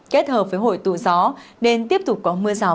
kết hợp với hội tụ gió nên tiếp tục có mưa rào